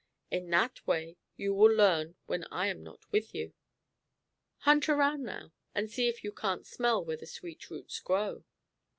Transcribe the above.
In that way you will learn when I am not with you. Hunt around now, and see if you can't smell where the sweet roots grow."